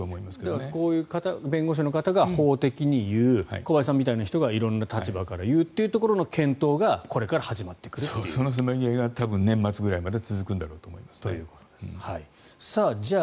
だから弁護士の方が法的に言う小林さんみたいな方が色んな立場から言うというところの検討がそのせめぎ合いが年末ぐらいまで続くんだろうと思います。